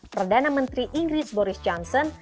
perdana menteri inggris boris johnson